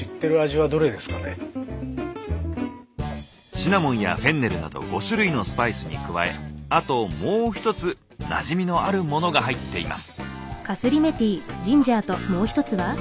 シナモンやフェンネルなど５種類のスパイスに加えあともう一つなじみのあるモノが入っています。